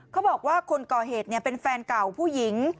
เขาบอกว่าคนก่อเหตุเป็นแฟนเก่าผู้หญิง